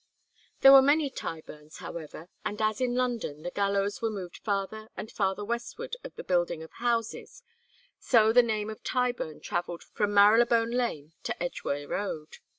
There were many Tyburns, however, and as in London the gallows were moved farther and farther westward of the building of houses, so the name of Tyburn travelled from Marylebone Lane to Edgeware Road.